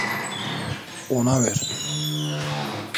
Ona ver.